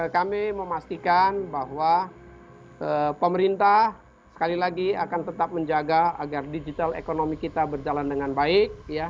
kami memastikan bahwa pemerintah sekali lagi akan tetap menjaga agar digital ekonomi kita berjalan dengan baik